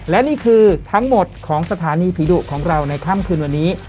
และนี่คือทั้งหมดของสถานีผีดุของเราในค่ำคืนวันนี้